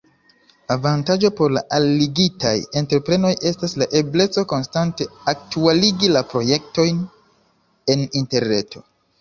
Avantaĝo por la alligitaj entreprenoj estas la ebleco konstante aktualigi la projektojn en Interreto.